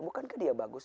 bukankah dia bagus